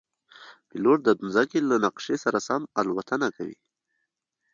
پیلوټ د مځکې له نقشې سره سم الوتنه کوي.